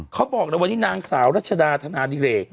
เขาบอกเลยวันนี้นางสาวรัชดาธนาดิเรก